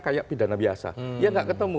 kayak pidana biasa dia nggak ketemu